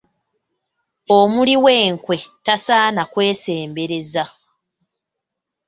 Omuli w'enkwe tasaana kwesembereza.